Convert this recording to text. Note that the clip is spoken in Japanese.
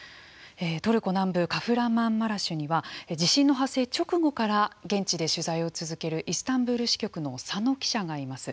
トルコ南部カフラマンマラシュには地震の発生直後から現地で取材を続けるイスタンブール支局の佐野記者がいます。